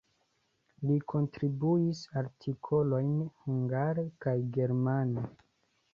Li kontribuis artikolojn hungare kaj germane.